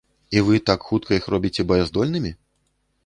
І вы так хутка іх робіце баяздольнымі?!